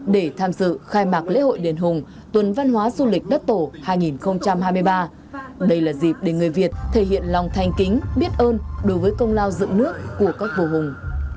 để tham dự khai mạc lễ hội đền hùng tuần văn hóa du lịch đất tổ hai nghìn hai mươi ba đây là dịp để người việt thể hiện lòng thanh kính biết ơn đối với công lao dựng nước của các vua hùng